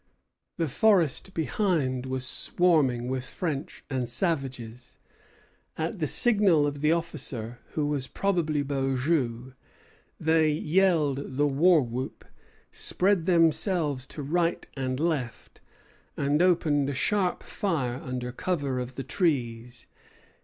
The forest behind was swarming with French and savages. At the signal of the officer, who was probably Beaujeu, they yelled the war whoop, spread themselves to right and left, and opened a sharp fire under cover of the trees.